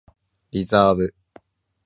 リザーブ